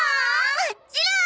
もちろん！